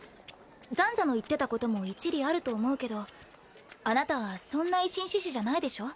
斬左の言ってたことも一理あると思うけどあなたはそんな維新志士じゃないでしょ？